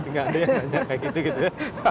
gak ada yang ngajak kayak gitu gitu ya